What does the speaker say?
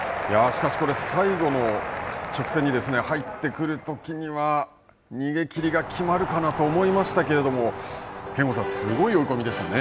しかし、これ最後の直線に入ってくるときには、逃げきりが決まるかなと思いましたけれども憲剛さん、すごい追い込みでしたね。